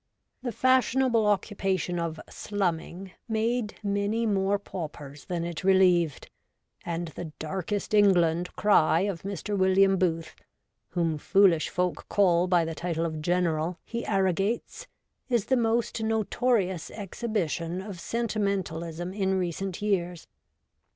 The fashionable occupation of ' slumming ' made many more paupers than it relieved, and the ' Darkest England ' cry of Mr. William Booth, whom foolish folk call by the title of ' General ' he arrogates, is the most notorious exhibition of sentimentalism in recent years.